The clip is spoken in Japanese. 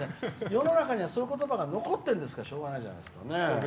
世の中には、そういうことばが残ってるんだからしょうがないじゃないですかね。